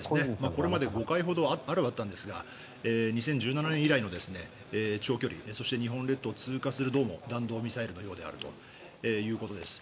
これまで５回ほどあったんですが２０１７年以来の長距離そして、どうも日本列島を通過するどうも弾道ミサイルのようであるということです。